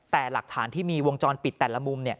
แต่หลักฐานที่มีวงจรปิดแต่ละมุม